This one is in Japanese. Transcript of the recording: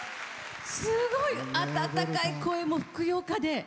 すごい温かい声でふくよかで。